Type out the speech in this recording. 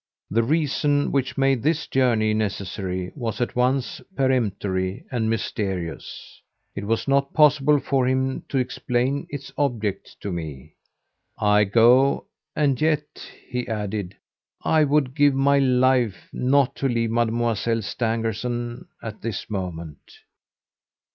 The reason which made this journey necessary was at once peremptory and mysterious; it was not possible for him to explain its object to me. 'I go, and yet,' he added, 'I would give my life not to leave Mademoiselle Stangerson at this moment.